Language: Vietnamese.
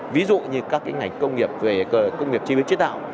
ví dụ như các cái ngành công nghiệp về công nghiệp chi biến chế tạo